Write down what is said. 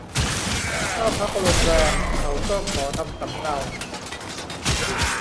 เข้าพักโรงแรมเขาก็ขอทำสำเนา